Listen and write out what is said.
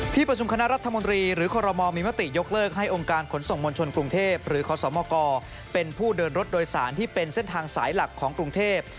ประชุมคณะรัฐมนตรีหรือคอรมอลมีมติยกเลิกให้องค์การขนส่งมวลชนกรุงเทพหรือขอสมกเป็นผู้เดินรถโดยสารที่เป็นเส้นทางสายหลักของกรุงเทพ